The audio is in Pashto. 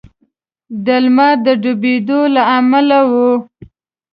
د لمر د ډبېدو له امله و.